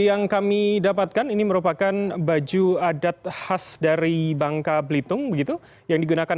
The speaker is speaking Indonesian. yang kami dapatkan ini merupakan baju adat khas dari bangka belitung begitu yang digunakan